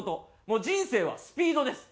もう人生はスピードです。